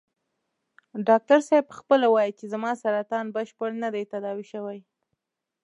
ډاکټر صاحب په خپله وايي چې زما سرطان بشپړ نه دی تداوي شوی.